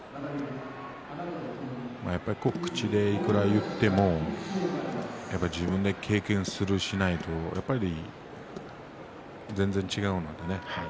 やっぱり口でいくら言っても自分で経験する、しないと全然、違いますのでね。